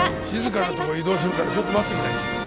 静かなとこ移動するからちょっと待ってくれ。